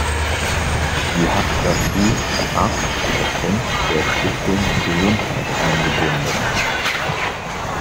Sie hat dazu die Arzt-Auskunft der Stiftung Gesundheit eingebunden.